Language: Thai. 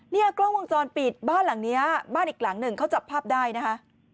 เนี่ยกล้องวงจรปิดบ้านหลังนี้บ้านอีกหลังหนึ่งเขาจับภาพได้นะคะ